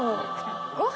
ご飯？